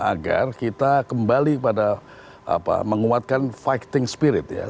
agar kita kembali pada menguatkan fighting spirit ya